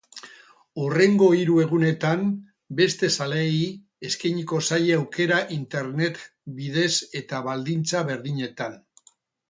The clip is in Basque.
Hurrengo hiru egunetan beste zaleei eskeiniko zaie aukera internet bidez eta baldintza berdinetan.